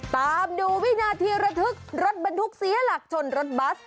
ตามดูวินาทีระทึกรถบรรทุกเสียหลักชนรถบัส